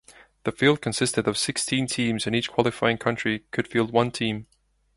The field consisted of sixteen teams and each qualifying country could field one team.